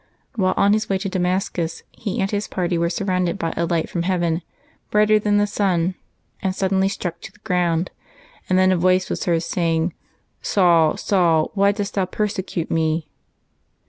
While on his way to Damascus, he and his party were surrounded by a light from heaven, brighter than the sun, and suddenly struck to the ground. And then a voice was heard saying, " Saul, Saul, why dost thou persecute Me